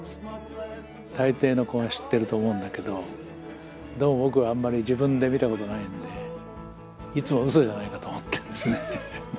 大抵の子は知ってると思うんだけどでも僕はあんまり自分で見たことないんでいつもうそじゃないかと思ってるんですね。